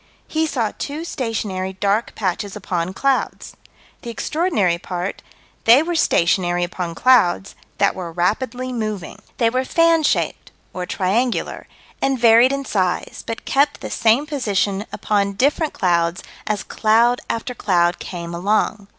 He saw two stationary dark patches upon clouds. The extraordinary part: They were stationary upon clouds that were rapidly moving. They were fan shaped or triangular and varied in size, but kept the same position upon different clouds as cloud after cloud came along.